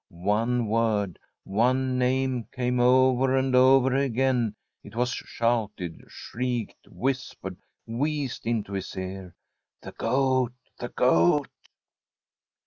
One word, one name came over and over again: it was shouted, shrieked, whispered, wheezed into his ear —' The Goat I the Goat